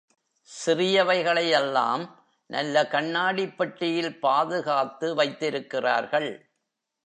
சிறியவைகளை எல்லாம், நல்ல கண்ணாடிப் பெட்டியில் பாதுகாத்து வைத்திருக்கிறார்கள்.